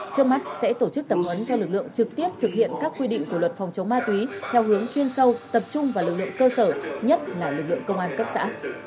trước mắt sẽ tổ chức tập huấn cho lực lượng trực tiếp thực hiện các quy định của luật phòng chống ma túy theo hướng chuyên sâu tập trung vào lực lượng cơ sở nhất là lực lượng công an cấp xã